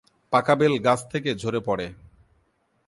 পাকা বেল গাছ থেকে ঝরে পড়ে।